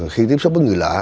khi tiếp xúc với người lạ